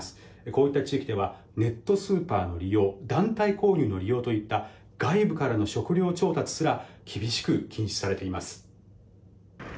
こういった地域ではネットスーパーの利用外部からの食糧調達すら厳しく禁止されています。